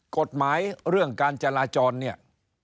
กฎหมายเรื่องการจราจรเนี่ย